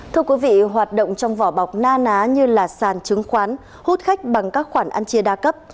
thưa quý vị hoạt động trong vỏ bọc na ná như là sàn chứng khoán hút khách bằng các khoản ăn chia đa cấp